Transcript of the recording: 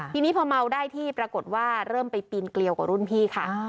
ทีนี้พอเมาได้ที่ปรากฏว่าเริ่มไปปีนเกลียวกับรุ่นพี่ค่ะ